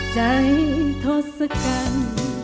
ใจทดสกัน